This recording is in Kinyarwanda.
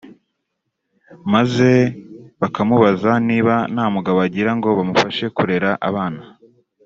maze bakamubaza niba nta mugabo agira ngo bamufashe kurera abana